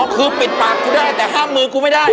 คือปิดปากกูได้แต่ห้ามมือกูไม่ได้